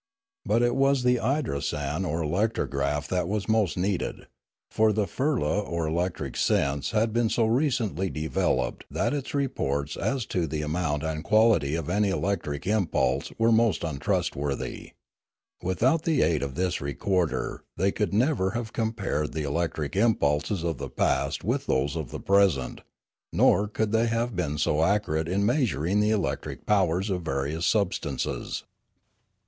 But it was the idrosan or electrograph that was most needed; for the firla or electric sense had been so recently developed that its reports as to the 268 Limanora amount and quality of any electric impulse were most untrustworthy. Without the aid of this recorder they could never have compared the electric impulses of the past with those of the present, nor could they have been so accurate in measuring the electric powers of various substances.